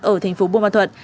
ở thành phố buôn ma thuận